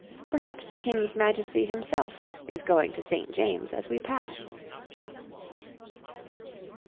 Perhaps the King's Majesty himself is going to St. James's as we pass.'